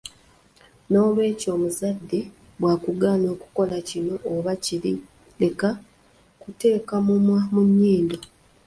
N'olwekyo omuzadde bw'akugaana okukola kino oba kiri leka kuteeka mumwa mu nnyindo.